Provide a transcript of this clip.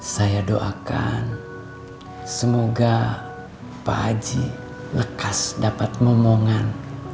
saya doakan semoga pak aji lekas dapat momongan